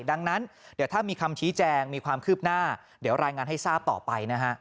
ดังนั้นเดี๋ยวถ้ามีคำชี้แจงมีความคืบหน้าเดี๋ยวรายงานให้ทราบต่อไปนะฮะ